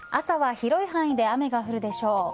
朝は広い範囲で雨が降るでしょう。